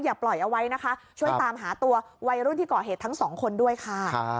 อย่าปล่อยเอาไว้นะคะช่วยตามหาตัววัยรุ่นที่ก่อเหตุทั้งสองคนด้วยค่ะ